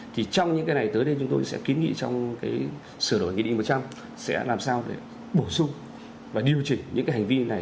thì trong những cái này tới đây chúng tôi sẽ kiến nghị trong cái sửa đổi nghị định một trăm linh sẽ làm sao để bổ sung và điều chỉnh những cái hành vi này